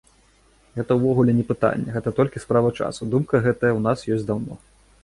Гэта ўвогуле не пытанне, гэта толькі справа часу, думка гэтая ў нас ёсць даўно.